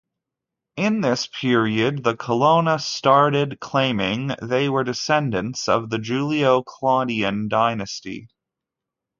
In this period, the Colonna started claiming they were descendants of the Julio-Claudian dynasty.